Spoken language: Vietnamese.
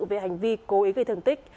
về hành vi cố ý gây thường tích